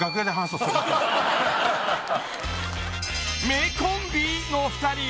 ［迷コンビ？の２人］